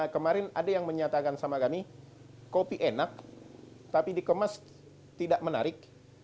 kemarin ada yang menyatakan sama kami kopi enak tapi dikemas tidak menarik